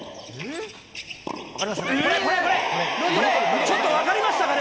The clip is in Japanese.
ちょっと分かりましたかね？